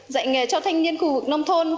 dạy nghề cho thanh niên khu vực nông thôn